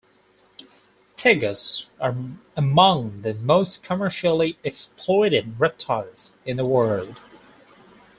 Tegus are among the most commercially exploited reptiles in the world.